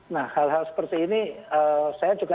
nah hal hal seperti ini saya juga